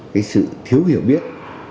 cái sự thiếu hiểu biết